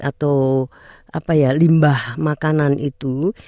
atau limbah makanan itu